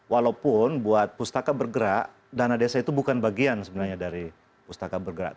walaupun buat pustaka bergerak dana desa itu bukan bagian sebenarnya dari pustaka bergerak